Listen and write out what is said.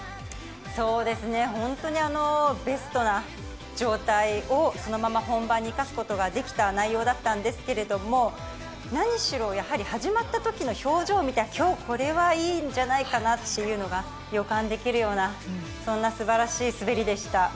そうですね、本当にベストな状態を、そのまま本番に生かすことができた内容だったんですけれども、何しろ、やはり始まったときの表情を見て、きょう、これはいいんじゃないかなっていうのが予感できるような、そんなすばらしい滑りでした。